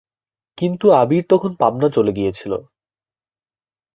কিন্তু আবির তখন পাবনা চলে গিয়েছিলো।